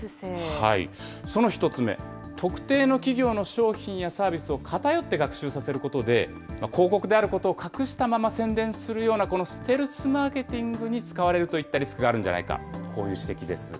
その１つ目、特定の企業の商品やサービスを偏って学習させることで、広告であることを隠したまま宣伝するようなステルスマーケティングに使われるといったリスクがあるんじゃないか、こういう指摘です。